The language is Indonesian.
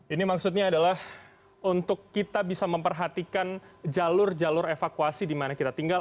ini maksudnya adalah untuk kita bisa memperhatikan jalur jalur evakuasi di mana kita tinggal